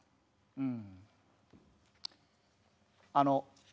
うん。